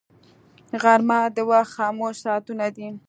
غرمه د وخت خاموش ساعتونه دي